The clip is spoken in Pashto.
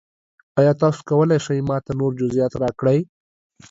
ایا تاسو کولی شئ ما ته نور جزئیات راکړئ؟